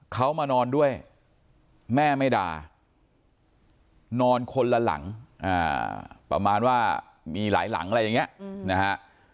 เขามานอนด้วยแม่ไม่ด่านอนคนละหลังประมาณว่ามีหลายหลังอะไรอย่างนี้นะฮะ